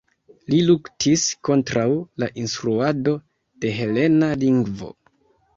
Li luktis kontraŭ la instruado de helena lingvo.